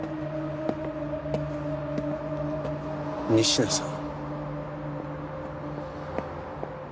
仁科さん。